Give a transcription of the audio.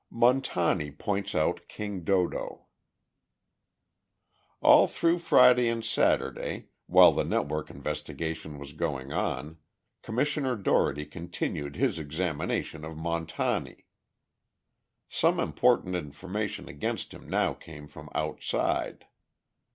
Montani Points Out "King Dodo" All through Friday and Saturday, while the network investigation was going on, Commissioner Dougherty continued his examination of Montani. Some important information against him now came from outside.